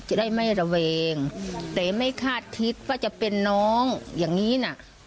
จะได้ไม่ระแวงแต่ไม่คาดคิดว่าจะเป็นน้องอย่างนี้นะ